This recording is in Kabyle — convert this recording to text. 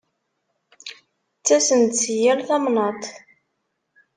Ttasen-d si yal tamdint.